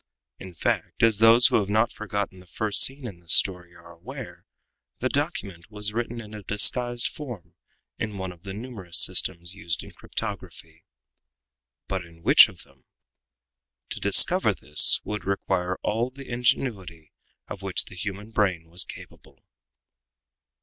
In fact, as those who have not forgotten the first scene in this story are aware, the document was written in a disguised form in one of the numerous systems used in cryptography. But in which of them? To discover this would require all the ingenuity of which the human brain was capable.